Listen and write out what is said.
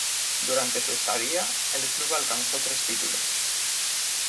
Durante su estadía, el club alcanzó tres títulos.